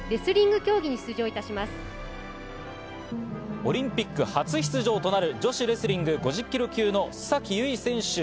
オリンピック初出場となる女子レスリング５０ｋｇ級の須崎優衣選手。